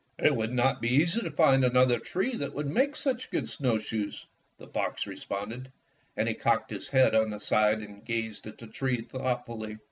"It would not be easy to And another tree that would make such good snowshoes," the fox responded, and he cocked his head on one side and gazed at the tree thoughtfully.